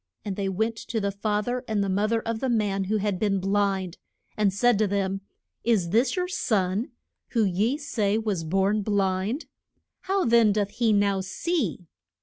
And they went to the fa ther and the mo ther of the man who had been blind, and said to them, Is this your son, who ye say was born blind? How then doth he now see?